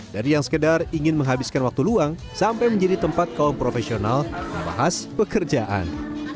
dari yang sekedar ingin menghabiskan waktu luang sampai menjadi tempat kaum profesional membahas pekerjaan